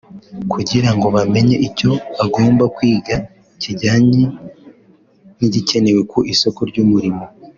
kugira ngo bamenye icyo bagomba kwiga kijyanye n’igikenewe ku isoko ry’umurimo”